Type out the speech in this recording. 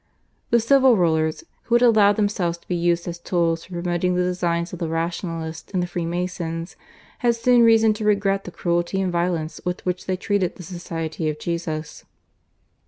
The civil rulers, who had allowed themselves to be used as tools for promoting the designs of the rationalists and the Freemasons, had soon reason to regret the cruelty and violence with which they treated the Society of Jesus.